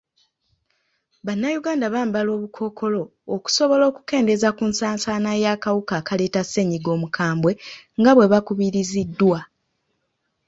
Bannayuganda bambala obukkookolo okusobola okukendeeza ku nsaasaana y'akawuka akaleeta ssennyiga omukambwe nga bwe bakubiriziddwa.